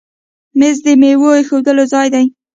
مېز د میوو ایښودلو ځای دی.